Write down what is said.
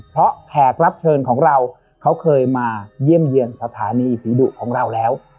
เพราะแขกรับเชิญของเราเขาเคยมาเยี่ยมเยี่ยมสถานีผีดุของเราแล้ว